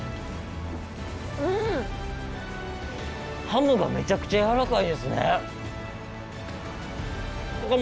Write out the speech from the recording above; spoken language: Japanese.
ハムがめちゃくちゃ柔らかいですね。